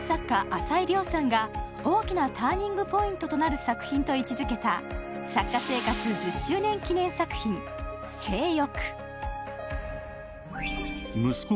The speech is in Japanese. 朝井リョウさんが大きなターニングポイントとなる作品と位置づけた作家生活１０周年記念作品「正欲」